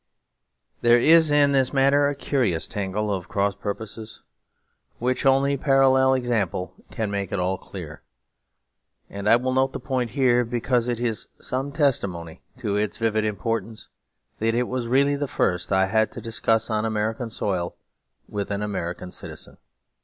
There is in this matter a curious tangle of cross purposes, which only a parallel example can make at all clear. And I will note the point here, because it is some testimony to its vivid importance that it was really the first I had to discuss on American soil with an American citizen.